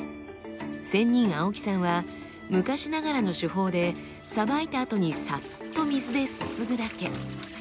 仙人青木さんは昔ながらの手法で捌いたあとにさっと水ですすぐだけ。